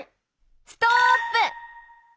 ストップ！